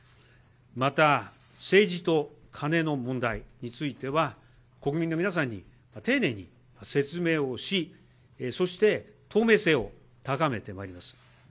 また、政治とカネの問題については、国民の皆さんに丁寧に説明をし、そして透明性を高めてまいります。